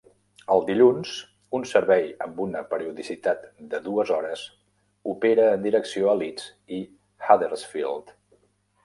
Els dilluns un servei amb una periodicitat de dues hores opera en direcció a Leeds i Huddersfield.